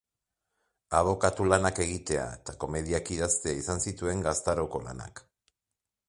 Abokatu-lanak egitea eta komediak idaztea izan zituen gaztaroko lanak.